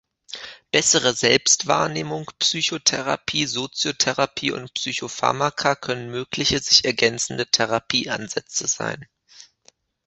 Bessere Selbstwahrnehmung, Psychotherapie, Soziotherapie und Psychopharmaka können mögliche, sich ergänzende Therapieansätze sein.